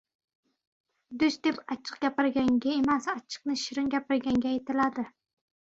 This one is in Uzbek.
• Do‘st deb achchiq gapirganga emas, achchiqni shirin gapirganga aytiladi.